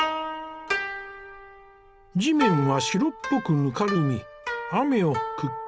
地面は白っぽくぬかるみ雨をくっきりと映し出している。